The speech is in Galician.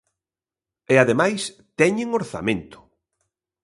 E ademais teñen orzamento.